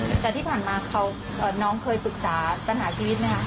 เนาะเคยฝึกศพบันทอาชีพไหมครับ